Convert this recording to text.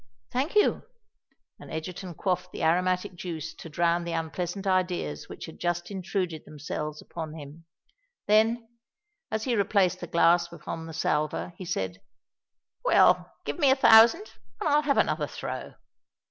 "Thank you;"—and Egerton quaffed the aromatic juice to drown the unpleasant ideas which had just intruded themselves upon him: then, as he replaced the glass upon the salver, he said, "Well, give me a thousand—and I'll have another throw."